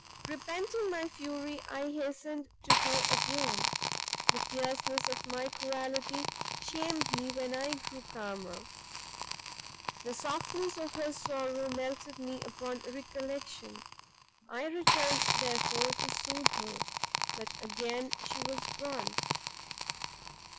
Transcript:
Repenting my fury, I hastened to her again; the fierceness of my cruelty shamed me when I grew calmer, the softness of her sorrow melted me upon recollection: I returned, therefore, to soothe her, but again she was gone!